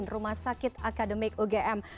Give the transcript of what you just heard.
rumah sakit akademik ugm